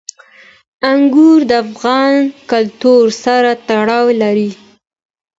انګور د افغان کلتور سره تړاو لري.